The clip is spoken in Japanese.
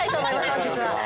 本日は。